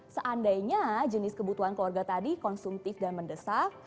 seandainya jenis kebutuhan keluarga tadi konsumtif dan mendesak